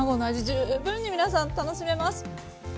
十分に皆さん楽しめます。